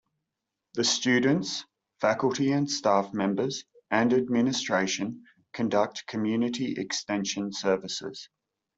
The students, faculty and staff members, and administration conduct community extension services.